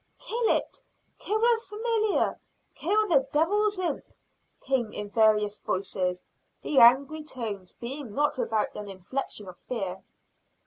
"Kill it! kill the familiar! Kill the devil's imp!" came in various voices, the angry tones being not without an inflection of fear.